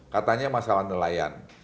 katanya masalah nelayan